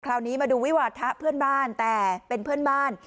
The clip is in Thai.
คราวนี้มาดูวิวาทะเพื่อนบ้านแต่เป็นเพื่อนบ้าน